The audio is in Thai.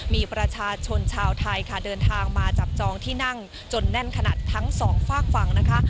มีประชาชนชาวไทยค่ะเดินทางมาจับจองที่นั่งจนแน่นขนาดทั้งสองฝากฝั่งนะคะ